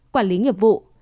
quản lý nghiệp vụ